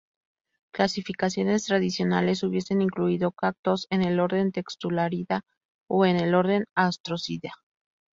Clasificaciones tradicionales hubiesen incluido "Cactos" en el orden Textulariida o en el orden Astrorhizida.